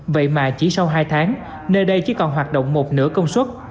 vậy mà chỉ sau hai tháng nơi đây chỉ còn hoạt động một nửa công suất